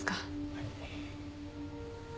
はい。